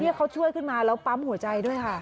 นี่เขาช่วยขึ้นมาแล้วปั๊มหัวใจด้วยค่ะ